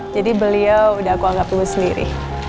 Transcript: jadi beliau udah aku anggap ibu sendiri